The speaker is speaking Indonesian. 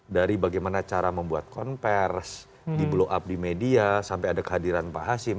dari bagaimana cara membuat konvers di blow up di media sampai ada kehadiran pak hasim